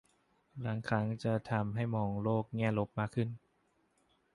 บางครั้งจะทำให้มองโลกแง่ลบมากขึ้น